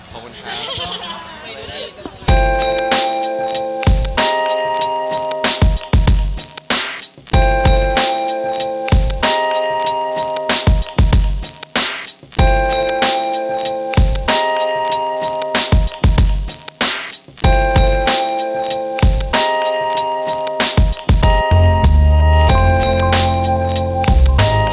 ขอบคุณครับ